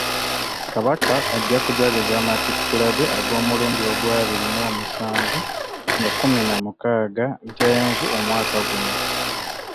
Kabaka ajja kujaguza amatikkira ge ag'omulundi agw'abiri mu musanvu nga kkumi na mukaaga ntenvu omwaka guno.